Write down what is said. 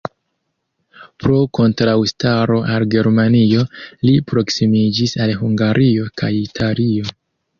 Pro kontraŭstaro al Germanio, li proksimiĝis al Hungario kaj Italio.